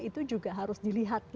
itu juga harus dilihat